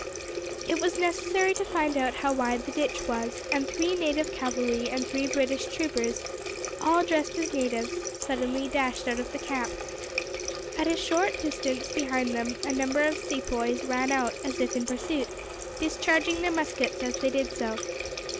It was necessary to find out how wide the ditch was, and three native cavalry and three British troopers, all dressed as natives, suddenly dashed out of the camp. At a short distance behind them a number of Sepoys ran out, as if in pursuit, discharging their muskets as they did so.